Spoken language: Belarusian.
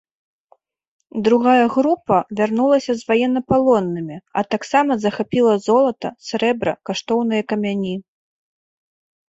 Другая група вярнулася з ваеннапалоннымі, а таксама захапіла золата, срэбра, каштоўныя камяні.